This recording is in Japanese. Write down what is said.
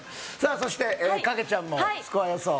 そして影ちゃんもスコア予想。